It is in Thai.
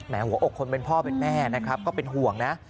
หัวอกคนเป็นพ่อเป็นแม่นะครับก็เป็นห่วงนะ